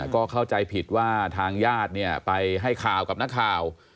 ก็เข้าใจผิดว่าทางญาติเนี่ยไปให้ข่าวกับนักข่าว